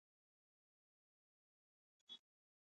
له خولی يې لاړې بهېدلې.